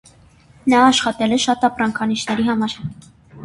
Նա աշխատել է շատ ամպրանքանիշների համար։